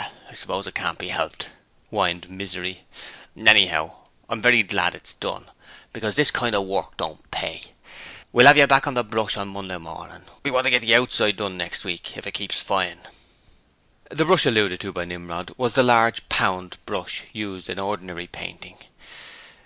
'Well, I suppose it can't be helped,' whined Misery. 'Anyhow, I'm very glad it's done, because this kind of work don't pay. We'll 'ave you back on the brush on Monday morning; we want to get outside done next week if it keeps fine.' The 'brush' alluded to by Nimrod was the large 'pound' brush used in ordinary painting.